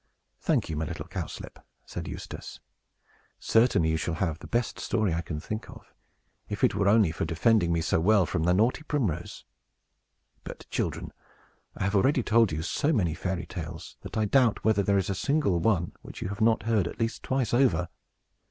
"Thank you, my little Cowslip," said Eustace; "certainly you shall have the best story I can think of, if it were only for defending me so well from that naughty Primrose. But, children, I have already told you so many fairy tales, that I doubt whether there is a single one which you have not heard at least twice over.